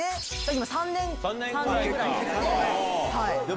今３年ぐらいですかね。